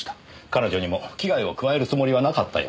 彼女にも危害を加えるつもりはなかったようです。